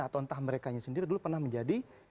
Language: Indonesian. atau entah merekanya sendiri dulu pernah menjadi